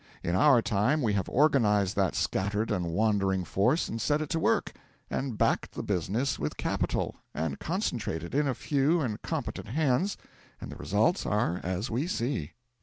In our time we have organised that scattered and wandering force and set it to work, and backed the business with capital, and concentrated it in few and competent hands, and the results are as we see.